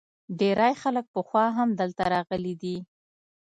ډیری خلک پخوا هم دلته راغلي دي